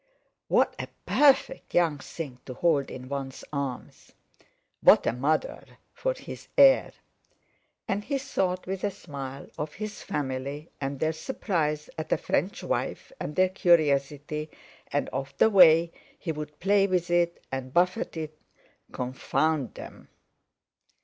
What a perfect young thing to hold in one's arms! What a mother for his heir! And he thought, with a smile, of his family and their surprise at a French wife, and their curiosity, and of the way he would play with it and buffet it confound them!